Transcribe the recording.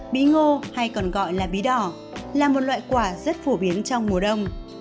bí ngô hay còn gọi là bí đỏ là một loại quả rất phổ biến trong mùa đông